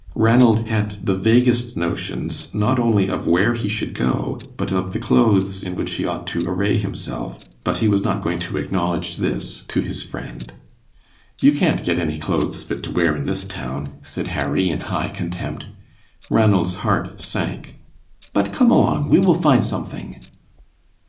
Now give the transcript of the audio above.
Ranald had the vaguest notions not only of where he should go, but of the clothes in which he ought to array himself, but he was not going to acknowledge this to his friend. "You can't get any clothes fit to wear in this town," said Harry, in high contempt. Ranald's heart sank. "But come along, we will find something."